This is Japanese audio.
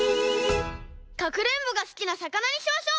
かくれんぼがすきなさかなにしましょう。